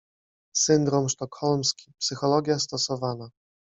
Syndrom sztokholmski, psychologia stosowana.